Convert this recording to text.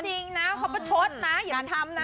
นี่เขาไม่ได้พูดจริงนะเขาประชดนะ